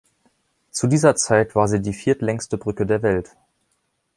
Zu dieser Zeit war sie die viertlängste Brücke der Welt.